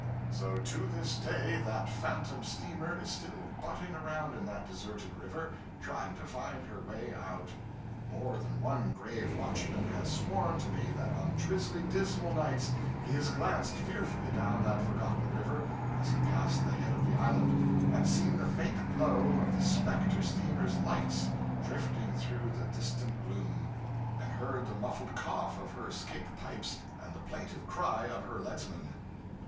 So to this day that phantom steamer is still butting around in that deserted river, trying to find her way out. More than one grave watchman has sworn to me that on drizzly, dismal nights, he has glanced fearfully down that forgotten river as he passed the head of the island, and seen the faint glow of the specter steamer's lights drifting through the distant gloom, and heard the muffled cough of her 'scape pipes and the plaintive cry of her leadsmen.